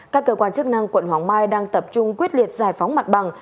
các cơ quan chức năng quận hoàng mai đang tập trung quyết liệt giải phóng mặt bằng